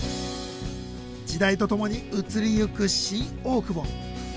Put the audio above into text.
時代とともに移りゆく新大久保。